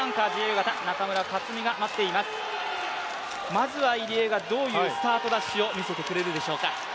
まずは入江がどういうスタートダッシュを見せてくれるでしょうか。